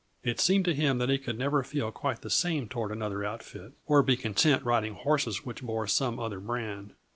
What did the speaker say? It seemed to him that he could never feel quite the same toward another outfit, or be content riding horses which bore some other brand.